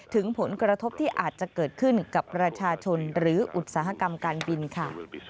ถึงผลกระทบที่อาจจะเกิดขึ้นกับประชาชนหรืออุตสาหกรรมการบินค่ะ